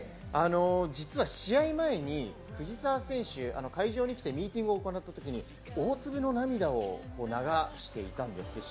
実は試合前に藤澤選手、会場に来てミーティングを行った時に大粒の涙を流していたんです。